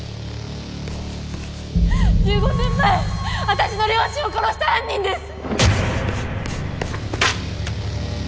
１５年前私の両親を殺した犯人です！